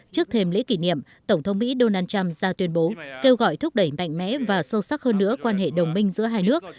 trước thêm lễ kỷ niệm tổng thống mỹ donald trump ra tuyên bố kêu gọi thúc đẩy mạnh mẽ và sâu sắc hơn nữa quan hệ đồng minh giữa hai nước